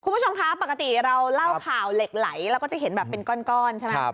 คุณผู้ชมคะปกติเราเล่าข่าวเหล็กไหลเราก็จะเห็นแบบเป็นก้อนใช่ไหม